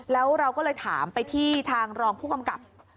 แล้วเราก็เลยถามไปที่ทางรองผู้กำกับ